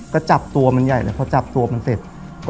ก็จับตัวมันใหญ่เลยพอจับตัวมันเสร็จ